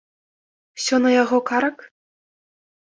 Усё на яго карак?